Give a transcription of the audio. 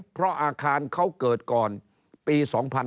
เพราะอาคารเขาเกิดก่อนปี๒๕๕๙